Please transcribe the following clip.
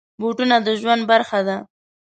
بوټونه د ژوند برخه ده.